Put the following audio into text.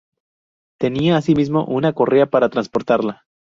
Tenía asimismo una correa para transportarla.